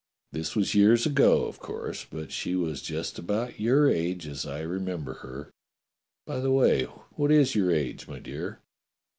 This was years ago, of course, but she was just about your age as I remem ber her By the way, what is your age, my dear.